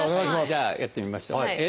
じゃあやってみますよ。